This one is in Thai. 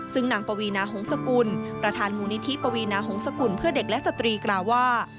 ซึ่งนางปวีนาหงษกุลประธานมูลนิธิปวีนาหงษกุลเพื่อเด็กและสตรีกล่าวว่า